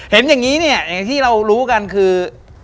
เห็นอย่างนี้เนี่ยอย่างที่เรารู้กันคือ